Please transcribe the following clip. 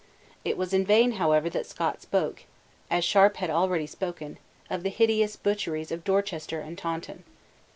It was in vain, however, that Scott spoke, as Sharp had already spoken, of the hideous butcheries of Dorchester and Taunton.